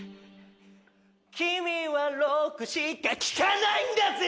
「君はロックしか」聴かないんだぜ！